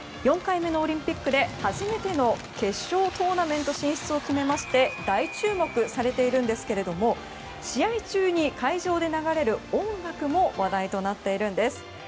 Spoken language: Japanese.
４回目のオリンピックで初めて決勝トーナメント進出を決めまして大注目されているんですが試合中に会場で流れる音楽も話題になっているんです。